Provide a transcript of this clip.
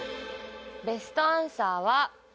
ベストアンサーは。